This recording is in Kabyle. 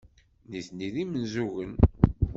Nitni d imenzugen.